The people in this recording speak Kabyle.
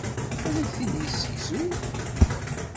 Ad ak-t-id-yessegzu.